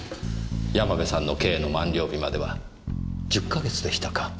山部さんの刑の満了日までは１０か月でしたか。